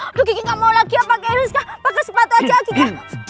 aduh gigi gak mau lagi ya pakai heels pakai sepatu aja gigi